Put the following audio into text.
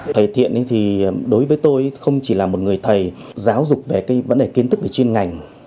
thầy thiện thì đối với tôi không chỉ là một người thầy giáo dục về cái vấn đề kiến thức về chuyên ngành